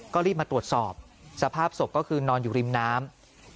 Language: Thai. ก็รีบมาตรวจสอบสภาพศพก็คือนอนอยู่ริมน้ำ